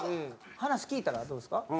話聞いたらどうですか？